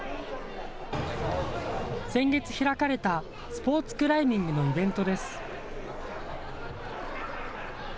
先月開かれたスポーツクライミングのイベントです。